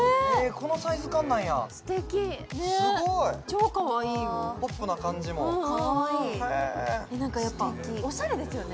このサイズ感なんやステキすごい超かわいいよポップな感じもへえかわいい何かやっぱおしゃれですよね